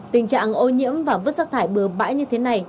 tình trạng ô nhiễm và vứt rác thải bừa bãi như thế này